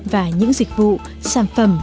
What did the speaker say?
và những dịch vụ sản phẩm